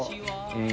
うん。